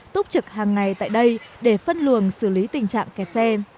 túc trực hàng ngày tại đây để phân luồng xử lý tình trạng kẹt xe